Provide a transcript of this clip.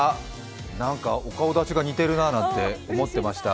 お顔だちが似てるななんて思ってました。